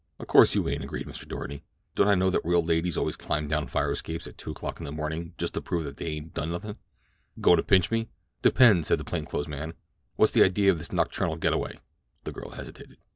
"Of course you ain't," agreed Mr. Doarty. "Don't I know that real ladies always climb down fire escapes at two o'clock in the morning just to prove that they ain't done nothin'?" "Goin' to pinch me?" "Depends," replied the plain clothes man. "What's the idea of this nocturnal get away." The girl hesitated.